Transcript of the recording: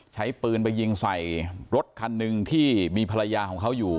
ใช้ปืนไปยิงใส่รถคันหนึ่งที่มีภรรยาของเขาอยู่